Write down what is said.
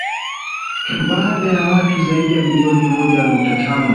baada ya watu zaidi ya milioni moja nukta tano